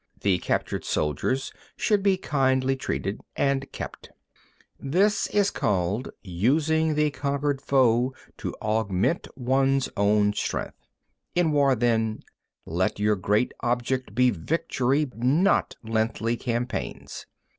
The captured soldiers should be kindly treated and kept. 18. This is called, using the conquered foe to augment one's own strength. 19. In war, then, let your great object be victory, not lengthy campaigns.